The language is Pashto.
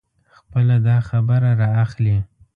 خپله داخبره را اخلي.